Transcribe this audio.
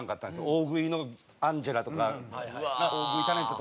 大食いのアンジェラとか大食いタレントとかと一緒に。